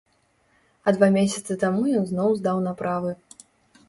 А два месяцы таму ён зноў здаў на правы.